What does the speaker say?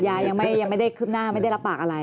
ต่าแยียังไม่ได้ขึ้นหน้าไม่ได้รับปากอะไร